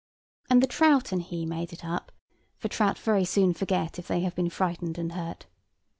[Picture: Acrobat] And the trout and he made it up (for trout very soon forget if they have been frightened and hurt).